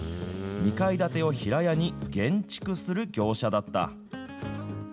２階建てを平屋に減築する業者だった。